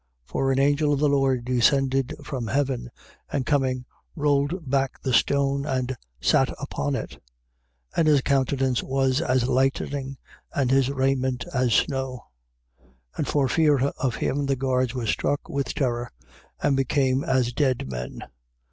For an angel of the Lord descended from heaven and coming rolled back the stone and sat upon it. 28:3. And his countenance was as lightning and his raiment as snow. 28:4. And for fear of him, the guards were struck with terror and became as dead men.